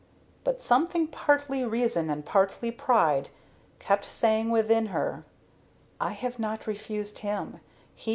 But something, partly reason and partly pride, kept saying within her: "I have not refused him; he has refused me!"